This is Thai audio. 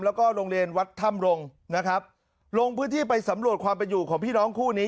แล้วก็โรงเรียนวัดถ้ำรงนะครับลงพื้นที่ไปสำรวจความเป็นอยู่ของพี่น้องคู่นี้